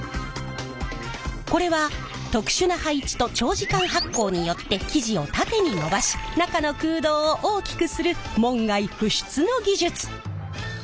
これは特殊な配置と長時間発酵によって生地を縦に伸ばし中の空洞を大きくする門外不出の技術！